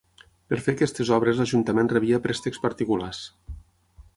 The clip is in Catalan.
Per fer aquestes obres l'ajuntament rebia préstecs particulars.